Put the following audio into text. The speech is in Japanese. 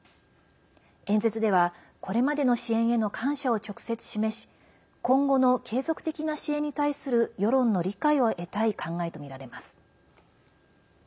演説ではこれまでの支援への感謝を直接示し今後の継続的な支援に対する世論の理解を得たい考えとみられます。